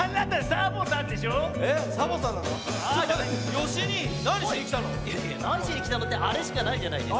なにしにきたのってあれしかないじゃないですか。